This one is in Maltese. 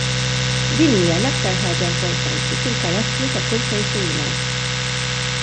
Dik hija l-aktar ħaġa importanti fil-karattru ta' kull persuna.